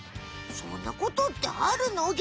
そんなことってあるの？